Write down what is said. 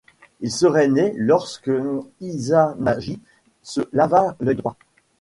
Il serait né lorsque Izanagi se lava l'œil droit.